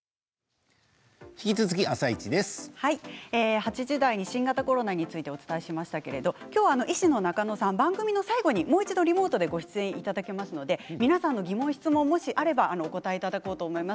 ８時台に新型コロナについてお伝えしましたが今日は医師の中野さんに番組の最後にもう一度リモートでご出演いただきますので皆さんの疑問質問がありましたらお答えいただこうと思っています。